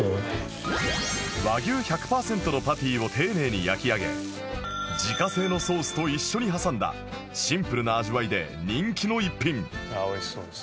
和牛１００パーセントのパティを丁寧に焼き上げ自家製のソースと一緒に挟んだシンプルな味わいで人気の一品